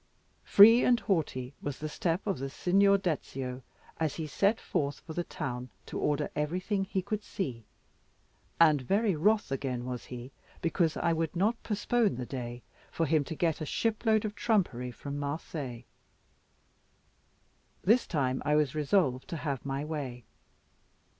Free and haughty was the step of the Signor Dezio as he set forth for the town to order everything he could see; and very wroth again he was, because I would not postpone the day for him to get a shipload of trumpery from Marseilles. This time I was resolved to have my way.